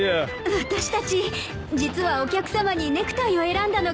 私たち実はお客さまにネクタイを選んだのが初めてで。